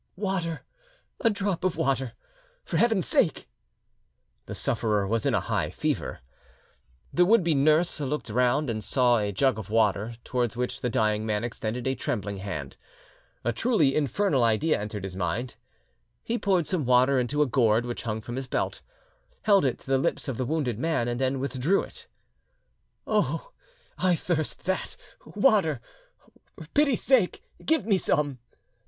"Water, a drop of water, for Heaven's sake!" The sufferer was in a high fever. The would be nurse looked round and saw a jug of water, towards which the dying man extended a trembling hand. A truly infernal idea entered his mind. He poured some water into a gourd which hung from his belt, held it to the lips of the wounded man, and then withdrew it. "Oh! I thirst that water! ... For pity's sake, give me some!"